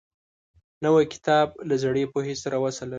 نوی کتاب له زړې پوهې سره وصل لري